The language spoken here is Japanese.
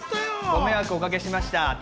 ご迷惑おかけしました。